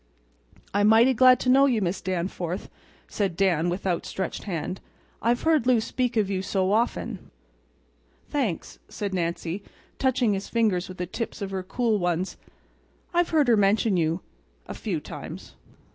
"I'm mighty glad to know you, Miss Danforth," said Dan, with outstretched hand. "I've heard Lou speak of you so often." "Thanks," said Nancy, touching his fingers with the tips of her cool ones, "I've heard her mention you—a few times."